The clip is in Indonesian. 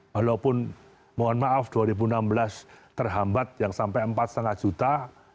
walaupun mohon maaf dua ribu enam belas terhambat yang sampai empat lima juta